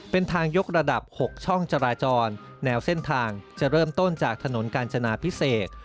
เป็นทางยกระดับ๖ช่องจราจรแนวเส้นทางจะเริ่มต้นจากถนนกาญจนาพิเศษ